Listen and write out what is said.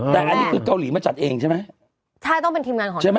แต่อันนี้คือเกาหลีมาจัดเองใช่ไหมใช่ต้องเป็นทีมงานของใช่ไหม